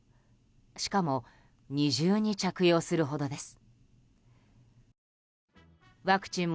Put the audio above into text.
しかも二重に着用するほどです。